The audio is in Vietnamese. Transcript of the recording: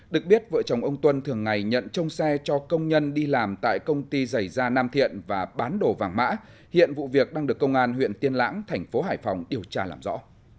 được biết vợ chồng ông tuân thường ngày nhận trông xe cho công nhân đi làm tại công ty giày da nam thiện và bán đồ vàng mã hiện vụ việc đang được công an huyện tiên lãng thành phố hải phòng điều tra làm rõ